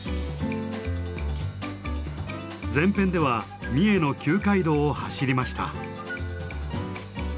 前編では三重の旧街道を走りました。